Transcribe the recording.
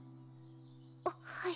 あっはい。